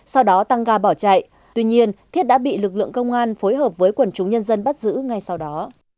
sau đó tăng ga bỏ chạy tuy nhiên thiết đã bị lực lượng công an phối hợp với quần chúng nhân dân bắt giữ ngay sau đó